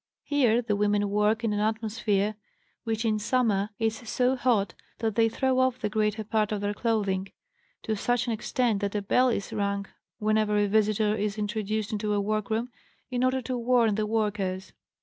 Here the women work in an atmosphere which in summer is so hot that they throw off the greater part of their clothing, to such an extent that a bell is rung whenever a visitor is introduced into a work room, in order to warn the workers.